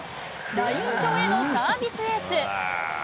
ライン上へのサービスエース。